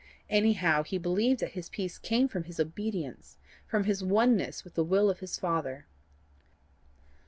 Anyhow he believed that his peace came from his obedience from his oneness with the will of his Father.